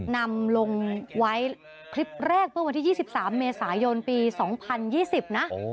นำลงไว้คลิปแรกเมื่อวันที่๒๓เมษายนปี๒๐๒๐นะ